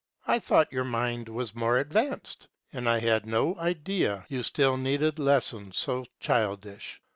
I thought your mind was more advanced, and I had no idea you still needed lessons so childish.